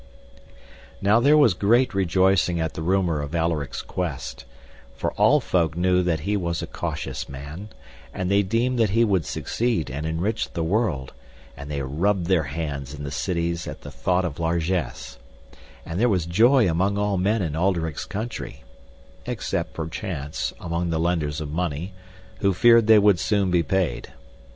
Now there was great rejoicing at the rumour of Alderic's quest, for all folk knew that he was a cautious man, and they deemed that he would succeed and enrich the world, and they rubbed their hands in the cities at the thought of largesse; and there was joy among all men in Alderic's country, except perchance among the lenders of money, who feared they would soon be paid.